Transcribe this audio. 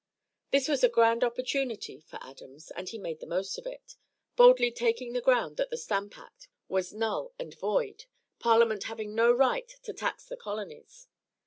This was a grand opportunity for Adams and he made the most of it, boldly taking the ground that the stamp act was null and void, Parliament having no right to tax the colonies.